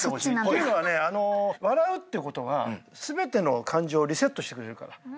っていうのはね笑うってことが全ての感情をリセットしてくれる。